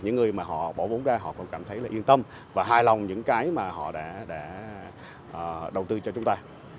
những người mà họ bỏ vốn ra họ cũng cảm thấy là yên tâm và hài lòng những cái mà họ đã đầu tư cho chúng ta